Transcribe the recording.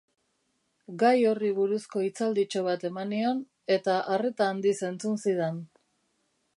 Gai horri buruzko hitzalditxo bat eman nion, eta arreta handiz entzun zidan.